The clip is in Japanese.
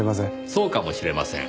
そうかもしれません。